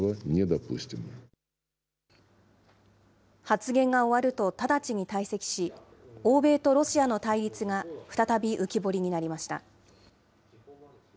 発言が終わると、直ちに退席し、欧米とロシアの対立が再び浮き彫りになりました。